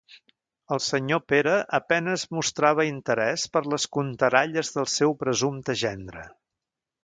El senyor Pere a penes mostrava interés per les contaralles del seu presumpte gendre.